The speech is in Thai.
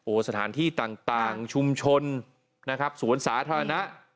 สถานที่ต่างชุมชนนะครับสวนสาธารณะ